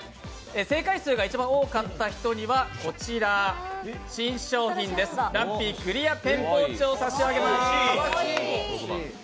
正解数が一番多かった人にはこちら、新商品です、ラッピークリアペンポーチを差し上げます。